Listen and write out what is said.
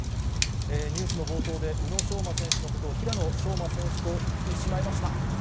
ニュースの冒頭で、宇野昌磨選手のことを、ひらのしょうま選手と言ってしまいました。